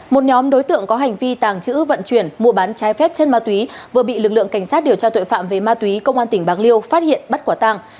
một nhóm đối tượng có hành vi tàng trữ vận chuyển mua bán trái phép chất ma túy vừa bị lực lượng cảnh sát điều tra tội phạm về ma túy công an tỉnh bạc liêu phát hiện bắt quả tàng